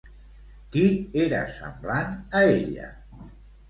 Qui era semblant a ella?